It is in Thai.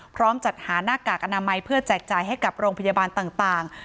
จัดหาหน้ากากอนามัยเพื่อแจกจ่ายให้กับโรงพยาบาลต่าง